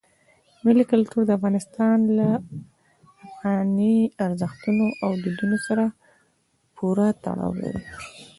ملي کلتور د افغانستان له افغاني ارزښتونو او دودونو سره پوره تړاو لري.